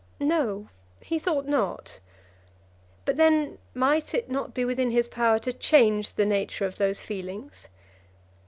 No; he thought not. But then might it not be within his power to change the nature of those feelings?